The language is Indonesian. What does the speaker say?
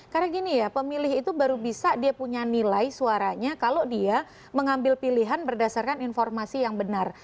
karena gini ya pemilih itu baru bisa dia punya nilai suaranya kalau dia mengambil pilihan berdasarkan informasi yang benar